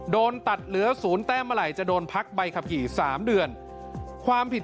โดนตัดเหลือ๐แต้มเมื่อไหร่จะโดนพักใบขับขี่๓เดือนความผิด